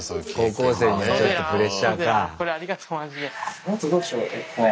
高校生にはちょっとプレッシャーか。